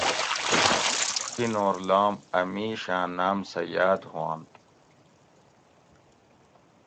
کینور لام اۤ مِیش آۤں ناۤم سہۤ یاۤد ہوانت